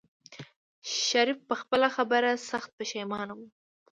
شريف په خپله خبره سخت پښېمانه و.